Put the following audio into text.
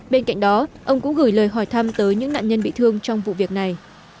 bên cạnh đó ông cũng gửi lời hỏi thăm tới những nạn nhân bị thương trong vụ việc này